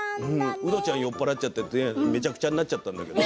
ウドちゃんは酔っ払ってめちゃくちゃになっちゃったんだけれどね。